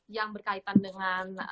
yang berkaitan dengan